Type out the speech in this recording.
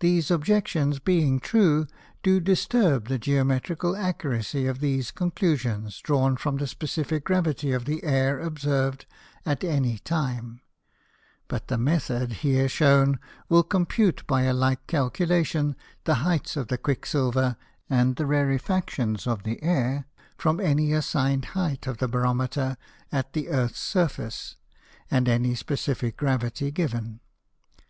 These Objections being true, do disturb the Geometrical Accuracy of these Conclusions, drawn from the specifick Gravity of the Air observ'd at any time; but the Method here shewn will compute by a like Calculation, the heights of the Quick silver, and the Rarifactions of the Air from any assign'd height of the Barometer at the Earth's Surface, and any specifick Gravity given.